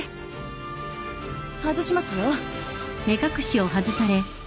外しますよ。